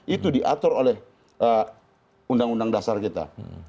itu diatur oleh undang undang dasar kita